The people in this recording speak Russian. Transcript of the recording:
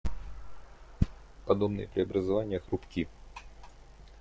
Подобные преобразования хрупки.